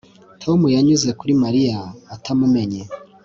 Tom yanyuze kuri Mariya atamumenye